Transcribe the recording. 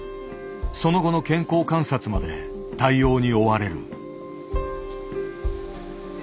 その後の健康観察まで対応に追われる。